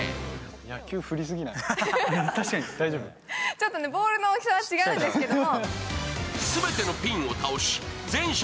ちょっとボールの大きさは違うんですけれども。